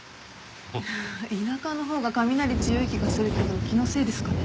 田舎のほうが雷強い気がするけど気のせいですかね？